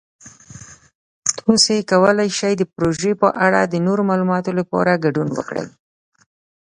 تاسو کولی شئ د پروژې په اړه د نورو معلوماتو لپاره ګډون وکړئ.